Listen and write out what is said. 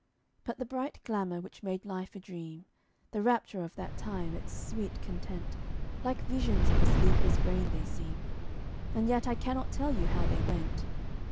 But the bright glamour which made life a dream, The rapture of that time, its sweet content, Like visions of a sleeper's brain they seem And yet I cannot tell you how they went.